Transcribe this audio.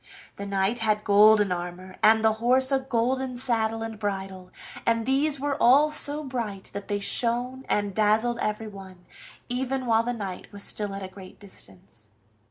The knight had golden armor, and the horse a golden saddle and bridle, and these were all so bright that they shone and dazzled everyone, even while the knight was still at a great distance.